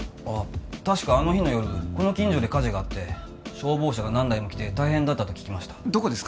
確かあの日の夜この近所で火事があって消防車が何台も来て大変だったと聞きましたどこですか？